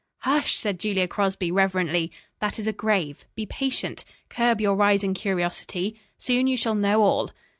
"Hush!" said Julia Crosby reverently. "That is a grave. Be patient. Curb your rising curiosity. Soon you shall know all."